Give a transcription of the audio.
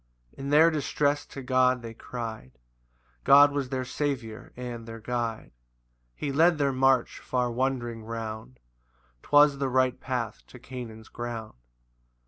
] 5 In their distress to God they cry'd, God was their Saviour and their Guide; He led their march far wandering round, 'Twas the right path to Canaan's ground.